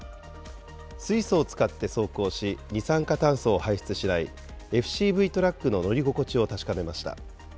水素を使って走行し、二酸化炭素を排出しないＦＣＶトラックの乗り心地を確かめました。